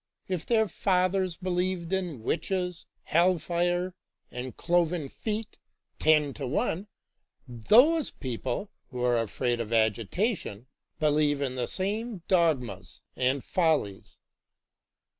If their fathers believed in witches, hell fire, and cloven feet, ten to one, those people who are afraid of agitation, believe in the same dogmas and follies.